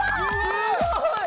すごい！